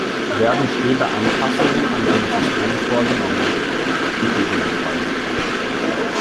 Werden später Anpassungen an dem System vorgenommen, ggf.